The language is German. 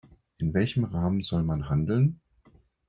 In welchem Rahmen soll man handeln?